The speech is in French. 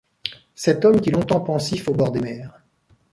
Cet homme qui longtemps, pensif au bord des mers